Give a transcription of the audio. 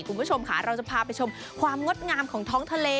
คุณผู้ชมค่ะเราจะพาไปชมความงดงามของท้องทะเล